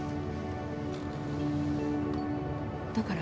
だから？